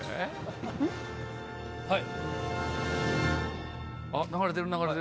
はい。